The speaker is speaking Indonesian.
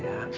ya pun ayah